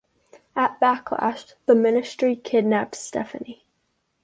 At Backlash, the Ministry kidnapped Stephanie.